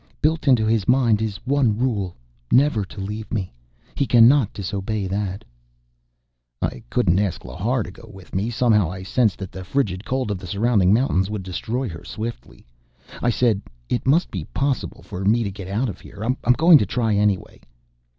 "Built into his mind is one rule never to leave me. He cannot disobey that." I couldn't ask Lhar to go with me. Somehow I sensed that the frigid cold of the surrounding mountains would destroy her swiftly. I said, "It must be possible for me to get out of here. I'm going to try, anyway."